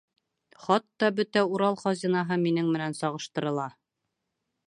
Хатта бөтә Урал хазинаһы минең менән сағыштырыла.